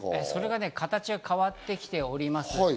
それが形が変わってきております。